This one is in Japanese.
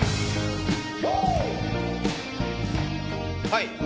はい。